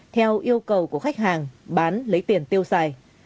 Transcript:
theo yêu cầu của khách hàng bán lấy tiền tiêu xài